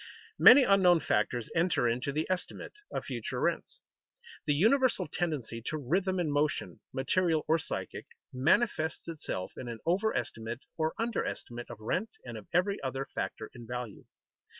Many unknown factors enter into the estimate of future rents. The universal tendency to rhythm in motion (material or psychic) manifests itself in an overestimate or underestimate of rent and of every other factor in value.